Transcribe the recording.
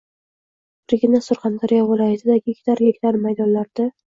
Birgina Surxondaryo viloyatida gektar-gektar maydonlarda